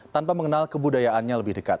tanpa mengenal kebudayaannya lebih dekat